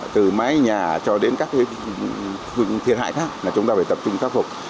từ mái nhà cho đến các thiệt hại khác là chúng ta phải tập trung khắc phục